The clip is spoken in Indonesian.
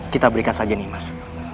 kita berikan saja nih mas